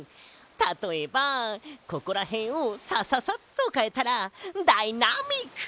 たとえばここらへんをサササッとかえたらダイナミック！